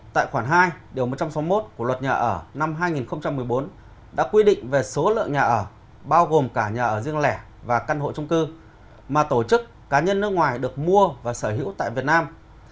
tại khoản hai điều một trăm sáu mươi một của luật nhà ở năm hai nghìn một mươi bốn đã quy định về số lượng nhà ở bao gồm cả nhà ở riêng lẻ và căn hộ trung cư mà tổ chức cá nhân nước ngoài được mua và sở hữu tại việt nam